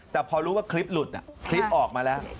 แต่พอรู้ว่าคลิปหลุดคลิปออกมาแล้ว